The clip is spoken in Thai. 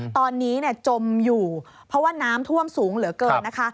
ตอนนี้จมอยู่เพราะว่าน้ำท่วมสูงเหลือเกินนะคะ